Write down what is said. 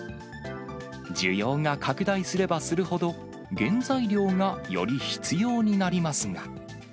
需要が拡大すればするほど、原材料がより必要になりますが。